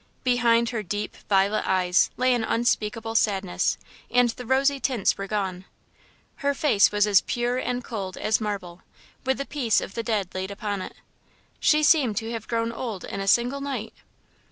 Behind her deep, violet eyes lay an unspeakable sadness and the rosy tints were gone. Her face was as pure and cold as marble, with the peace of the dead laid upon it. She seemed to have grown old in a single night.